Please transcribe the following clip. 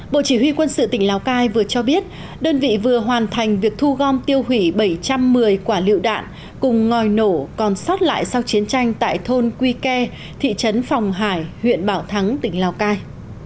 bộ chỉ huy quân sự tỉnh lào cai vừa cho biết đơn vị vừa hoàn thành việc thu gom tiêu hủy bảy trăm một mươi quả lựu đạn cùng ngòi nổ còn sót lại sau chiến tranh tại thôn quy ke thị trấn phòng hải huyện bảo thắng tỉnh lào cai